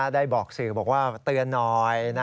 ได้บอกสื่อบอกว่าเตือนหน่อย